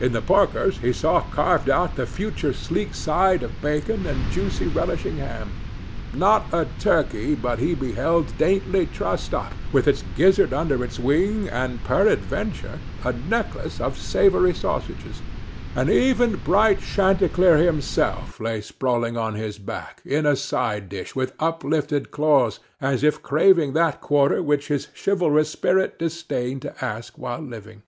In the porkers he saw carved out the future sleek side of bacon, and juicy relishing ham; not a turkey but he beheld daintily trussed up, with its gizzard under its wing, and, peradventure, a necklace of savory sausages; and even bright chanticleer himself lay sprawling on his back, in a side dish, with uplifted claws, as if craving that quarter which his chivalrous spirit disdained to ask while living.